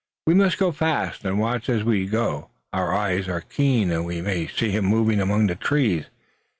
"We must go fast and watch as we go. Our eyes are keen, and we may see him moving among the trees.